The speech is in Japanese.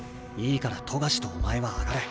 いいから冨樫とお前は上がれ。